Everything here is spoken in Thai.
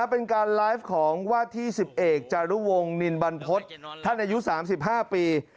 เป็นการไลฟ์ของว่าที่๑๑จารุวงศ์นินบรรพฤษท่านอายุ๓๕ปี